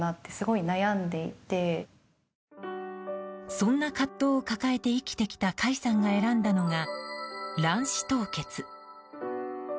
そんな葛藤を抱えて生きてきた甲斐さんが選んだのが卵子凍結。